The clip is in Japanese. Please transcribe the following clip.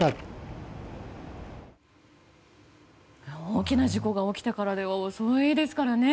大きな事故が起きてからでは遅いですからね。